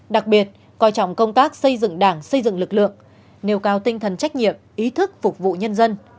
đặc biệt coi trọng công tác xây dựng đảng xây dựng lực lượng nêu cao tinh thần trách nhiệm ý thức phục vụ nhân dân